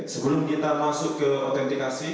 sebelum kita masuk ke autentikasi